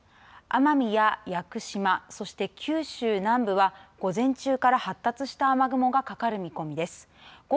奄美や屋久島そして九州南部は午前中から発達した雨雲がかかる見込みです。